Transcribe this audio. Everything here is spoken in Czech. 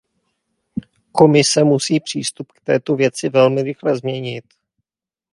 Komise musí přístup k této věci velmi rychle změnit.